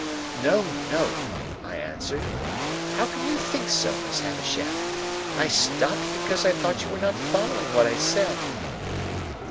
"No, no," I answered, "how can you think so, Miss Havisham! I stopped because I thought you were not following what I said."